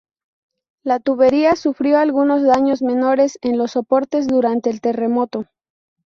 La tubería sufrió algunos daños menores en los soportes durante el terremoto.